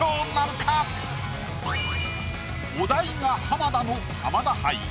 お題が「浜田」の浜田杯。